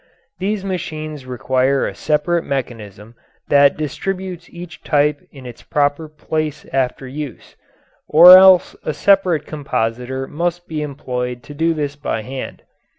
These machines require a separate mechanism that distributes each type in its proper place after use, or else a separate compositor must be employed to do this by hand.